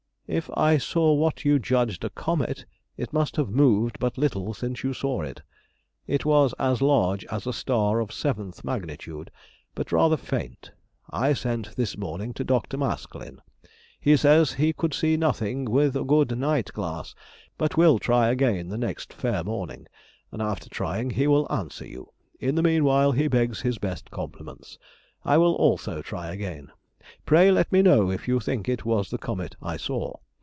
If I saw what you judged a comet, it must have moved but little since you saw it; it was as large as a star of 7th magnitude, but rather faint. I sent this morning to Dr. Maskelyne: he says he could see nothing with a good night glass, but will try again the next fair morning, and after trying he will answer you; in the meanwhile he begs his best compliments. I will also try again. Pray let me know if you think it was the comet I saw.